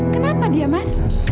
kenapa dia mas